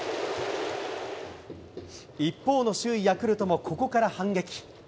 一方の首位ヤクルトもここから反撃。